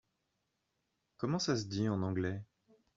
Comment ça se dit en anglais ?